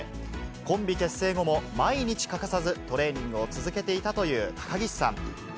コンビ結成後も毎日欠かさずトレーニングを続けていたという高岸さん。